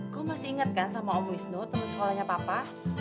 kok masih inget kan sama om wisnu temen sekolahnya papa